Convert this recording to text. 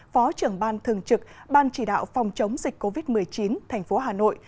phó trưởng ban thường trực ban chỉ đạo phòng chống dịch covid một mươi chín tp hà nội